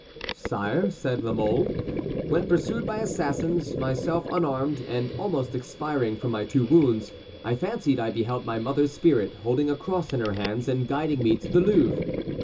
"Sire," said La Mole, "when pursued by assassins, myself unarmed, and almost expiring from my two wounds, I fancied I beheld my mother's spirit holding a cross in her hands and guiding me to the Louvre.